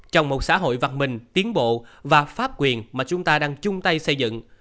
trong một xã hội văn minh tiến bộ và pháp quyền mà chúng ta đang chung tay xây dựng